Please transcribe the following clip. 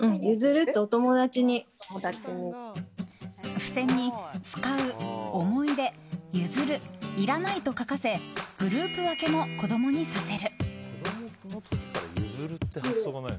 付箋に「使う」「思い出」「ゆずる」「いらない」と書かせグループ分けも子供にさせる。